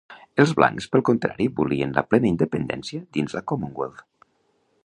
Els blancs pel contrari volien la plena independència dins la Commonwealth.